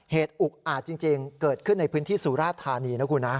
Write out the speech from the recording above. เหตุอุกอาจจริงเกิดขึ้นในพื้นที่สุราธานีนะคุณนะ